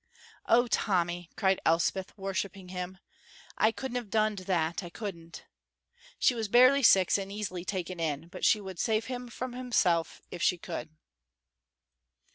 "Oh, Tommy," cried Elspeth, worshipping him, "I couldn't have doned that, I couldn't!" She was barely six, and easily taken in, but she would save him from himself if she could.